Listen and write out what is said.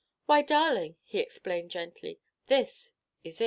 "Why, darling," he explained gently, "this is it."